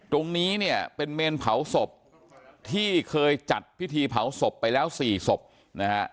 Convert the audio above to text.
ตรงนี้เนี่ยเป็นเมนเผาศพที่เคยจัดพิธีเผาศพไปแล้วสี่ศพนะฮะ